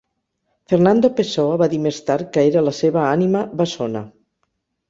Fernando Pessoa va dir més tard que era la seva "ànima bessona".